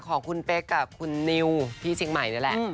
ของคุณเป๊กกับคุณนิวที่เชียงใหม่นั่นแหละ